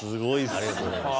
ありがとうございます。